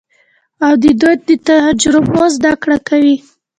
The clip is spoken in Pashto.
او د دوی له تجربو زده کړه کوي.